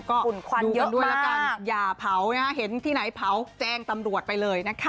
ก็ฝุ่นควันเยอะด้วยแล้วกันอย่าเผานะคะเห็นที่ไหนเผาแจ้งตำรวจไปเลยนะคะ